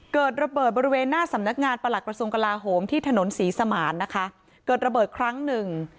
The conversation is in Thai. เกิดระเบิดบริเวณหน้าสำนักงานประหลักกระทรวงกลาโหมที่ถนนศรีสมานนะคะเกิดระเบิดครั้งหนึ่ง